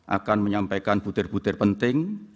akan menyampaikan butir butir penting